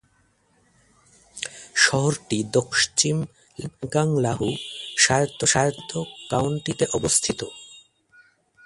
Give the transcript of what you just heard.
শহরটি দক্ষিণ-পশ্চিম ল্যাঙ্কাং লাহু স্বায়ত্বশাসিত কাউন্টিতে অবস্থিত।